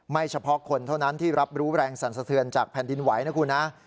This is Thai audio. เฉพาะคนเท่านั้นที่รับรู้แรงสั่นสะเทือนจากแผ่นดินไหวนะคุณนะ